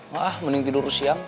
gak ah mending tidur siang